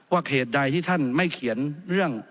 ว่าเหตุใดที่ท่านให้เขียนเรื่อง